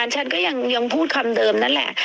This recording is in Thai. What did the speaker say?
ฉันก็ยังพูดคำเดิมนั่นแหละ